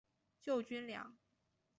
救军粮